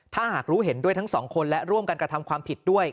ถ้าหากรู้เห็นด้วยทั้งสองคนและร่วมกันกระทำความผิดด้วย